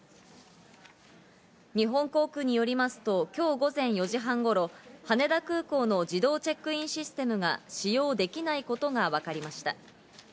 日本航空によりますと、今日午前４時半頃、羽田空港の自動チェックインシステムが使用できないことがわかりました。